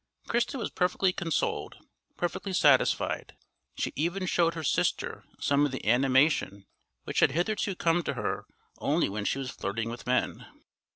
Christa was perfectly consoled, perfectly satisfied; she even showed her sister some of the animation which had hitherto come to her only when she was flirting with men.